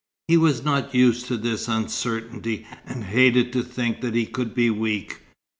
He was not used to this uncertainty, and hated to think that he could be weak.